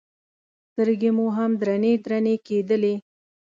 سترګې مو هم درنې درنې کېدلې.